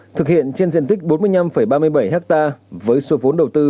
thực hiện trên diện tích bốn mươi năm ba mươi bảy ha với số vốn đầu tư